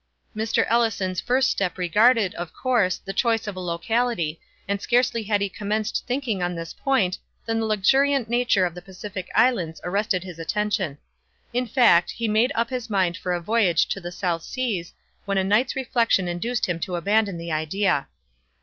Mr. Ellison's first step regarded, of course, the choice of a locality, and scarcely had he commenced thinking on this point, when the luxuriant nature of the Pacific Islands arrested his attention. In fact, he had made up his mind for a voyage to the South Seas, when a night's reflection induced him to abandon the idea.